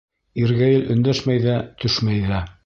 Иргәйел өндәшмәй ҙә, төшмәй ҙә.